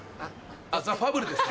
『ザ・ファブル』ですか。